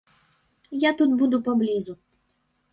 Я тут буду паблізу.